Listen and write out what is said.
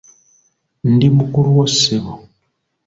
Ndi mukulu wo ssebo.